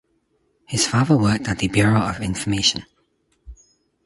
His father worked at the bureau of information.